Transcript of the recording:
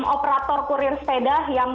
operator kurir sepeda yang